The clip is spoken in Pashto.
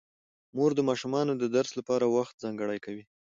مور د ماشومانو د درس لپاره وخت ځانګړی کوي